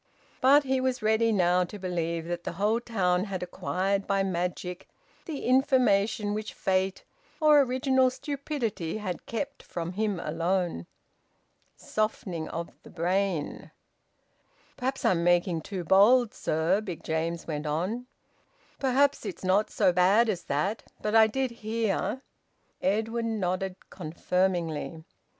But he was ready now to believe that the whole town had acquired by magic the information which fate or original stupidity had kept from him alone... Softening of the brain! "Perhaps I'm making too bold, sir," Big James went on. "Perhaps it's not so bad as that. But I did hear " Edwin nodded confirmingly.